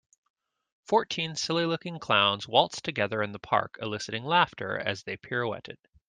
Fourteen silly looking clowns waltzed together in the park eliciting laughter as they pirouetted.